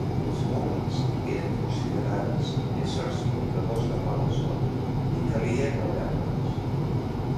Les Moles eren considerades éssers portadors de mala sort i calia no veure'ls.